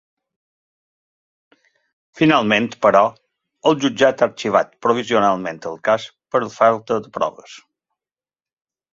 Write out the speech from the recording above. Finalment, però, el jutjat ha arxivat provisionalment el cas per falta de proves.